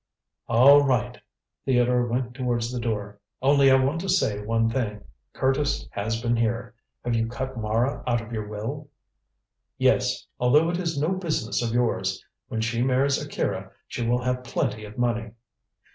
"All right!" Theodore went towards the door; "only I want to say one thing. Curtis has been here. Have you cut Mara out of your will?" "Yes; although it is no business of yours. When she marries Akira, she will have plenty of money."